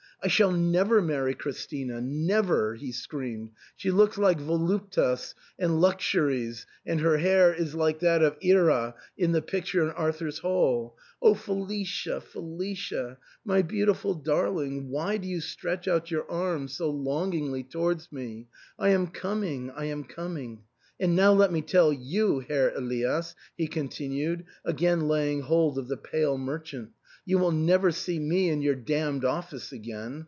" I shall never marry Chris tina, never !" he screamed. " She looks like Voluptas (Pleasure) and Luxuries (Wantonness), and her hair is like that of Ira (Wrath), in the picture in Arthur's Hall. Felicia ! Felicia ! My beautiful darling ! Why do you stretch out your arms so longingly towards me ? 1 am coming, I am coming. And now let me tell you, Herr Elias," he continued, again laying hold of the pale merchant, " you will never see me in your damned office again.